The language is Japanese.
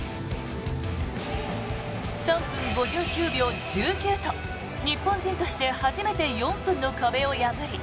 ３分５９秒１９と日本人として初めて４分の壁を破り